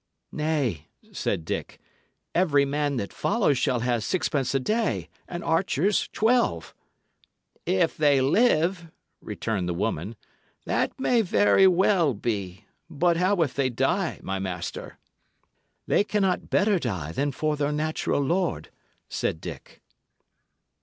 "Nay," said Dick, "every man that follows shall have sixpence a day, and archers twelve." "If they live," returned the woman, "that may very well be; but how if they die, my master?" "They cannot better die than for their natural lord," said Dick.